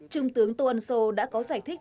trung tướng tô ân sô đã có giải thích